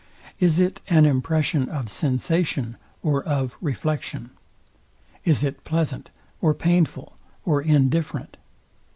Is it an impression of sensation or of reflection? Is it pleasant, or painful, or indifferent?